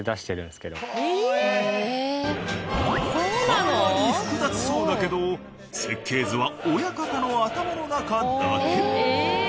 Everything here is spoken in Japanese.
かなり複雑そうだけど設計図は親方の頭の中だけ。